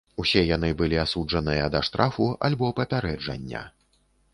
Усе яны былі асуджаныя да штрафу альбо папярэджання.